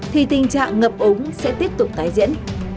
thì tình trạng ngập ống sẽ tiếp tục tái diễn